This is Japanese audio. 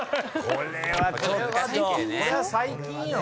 これは最近よ。